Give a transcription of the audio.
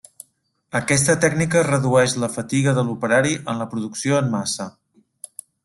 Aquesta tècnica redueix la fatiga de l'operari en la producció en massa.